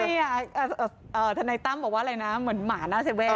ทำไมอ่ะอ่าอ่าธนายตั้มบอกว่าอะไรนะเหมือนหมาหน้าเซ็นเว่น